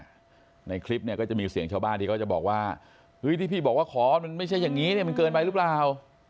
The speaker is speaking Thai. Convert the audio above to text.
ในคลิปเนี่ยก็จะมีเสียงชาวบ้านที่เขาจะบอกว่าเฮ้ยที่พี่บอกว่าขอมันไม่ใช่อย่างนี้เนี่ยมันเกินไปหรือเปล่า